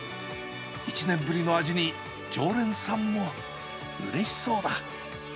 １年ぶりの味に常連さんもうれしそうだ。